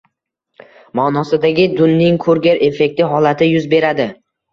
ma’nosidagi Dunning-Kurger effekti holati yuz beradi